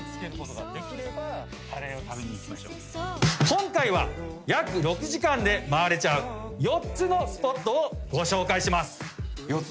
今回は約６時間で回れちゃう４つのスポットをご紹介します。